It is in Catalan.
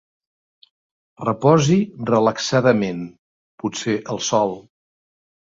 Reposi relaxadament, potser al sol.